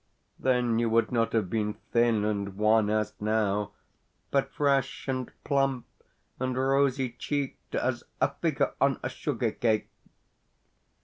Then you would not have been thin and wan as now, but fresh and plump and rosy cheeked as a figure on a sugar cake.